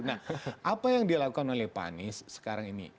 nah apa yang dilakukan oleh panis sekarang ini